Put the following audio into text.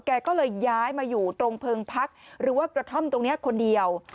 แกก็เลยย้ายมาอยู่ตรงเพิงพักหรือว่ากระท่อมตรงนี้คนเดียว